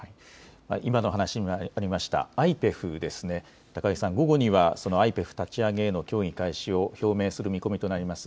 今の話にありましたＩＰＥＦですが高木さん、午後にはＩＰＥＦ立ち上げへの協議開始を表明する見込みとなります。